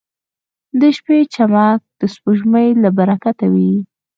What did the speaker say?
• د شپې چمک د سپوږمۍ له برکته وي.